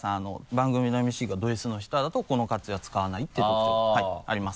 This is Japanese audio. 番組のＭＣがドＳの人だとこの活用使わないって特徴があります。